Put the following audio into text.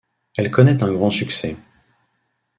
Elle connait un grand succès.